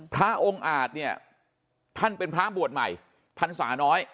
พระองค์อาจเนี่ยท่านเป็นพระบวชใหม่พรรษาน้อย